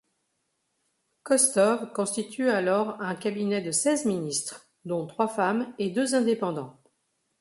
Kostov constitue alors un cabinet de seize ministres, dont trois femmes et deux indépendants.